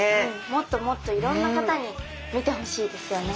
もっともっといろんな方に見てほしいですよね。